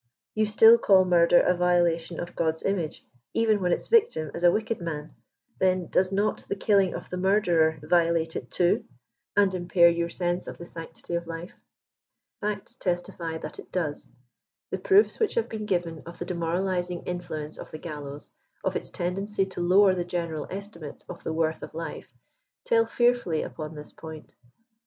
You still call murder a violation of God's image even when its victim is a wicked man ; then does not 'the killing of the murderer violate it too, and impair 130 your sense of the sanctity of life ? Facts testify that it does. The proofs which have been given of the demoraliasing influence of the gallows, of its tendency to lower the general estimate of the worth of life, tell fearfully upon this point.